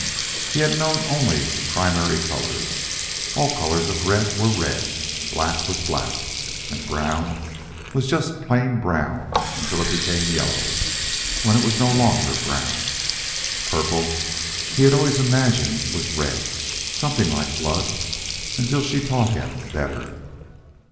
He had known only the primary colors. All colors of red were red. Black was black, and brown was just plain brown until it became yellow, when it was no longer brown. Purple he had always imagined was red, something like blood, until she taught him better.